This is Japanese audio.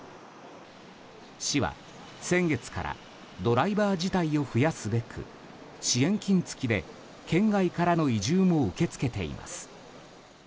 市は先月からドライバー自体を増やすべく支援金付きで、県外からの移住も受け付けています。